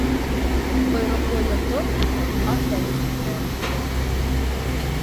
Ҡойроҡло йондоҙ афәт килтерә.